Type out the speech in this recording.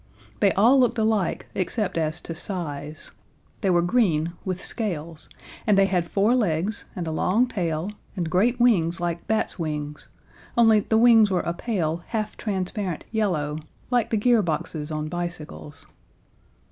They all looked alike except as to size. They were green with scales, and they had four legs and a long tail and great wings like bats' wings, only the wings were a pale, half transparent yellow, like the gear boxes on bicycles.